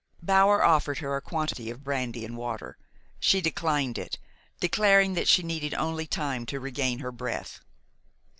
Bower offered her a quantity of brandy and water. She declined it, declaring that she needed only time to regain her breath.